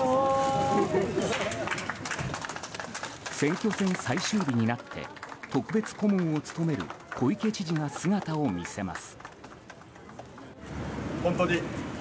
選挙戦最終日になって特別顧問を務める小池知事が姿を見せます。